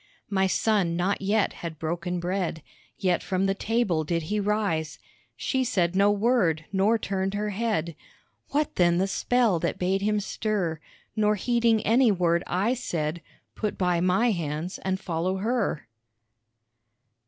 My son not yet had broken bread, Yet from the table did he rise, She said no word nor turned her head, What then the spell that bade him stir, Nor heeding any word I said, Put by my hands and follow her.